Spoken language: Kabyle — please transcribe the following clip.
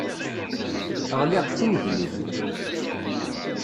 Ɣliɣ d tinnegnit.